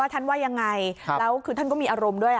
ท่านว่ายังไงแล้วคือท่านก็มีอารมณ์ด้วย